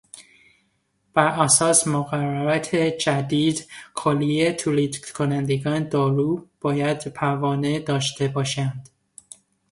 براساس مقررات جدید کلیهی تولید کنندگان دارو باید پروانه داشته باشند.